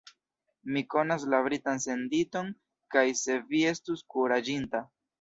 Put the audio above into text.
Mi konas la Britan senditon, kaj se vi estus kuraĝinta.